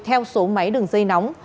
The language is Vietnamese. theo số máy đường dây nóng